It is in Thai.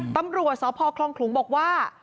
ตำรวจสพคลองขลุงบอกว่า